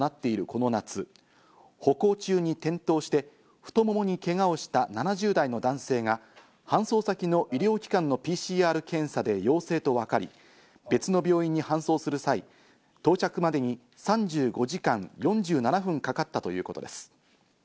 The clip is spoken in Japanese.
この夏、歩行中に転倒して太ももにけがをした７０代の男性が搬送先の医療機関のＰＣＲ検査で陽性と分かり、別の病院に搬送する際、到着までに３５時間４７分かかったということです。